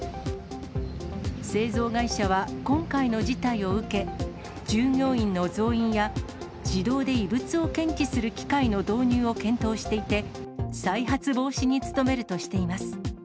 製造会社は、今回の事態を受け、従業員の増員や、自動で異物を検知する機械の導入を検討していて、再発防止に努めるとしています。